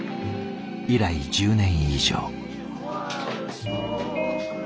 以来１０年以上。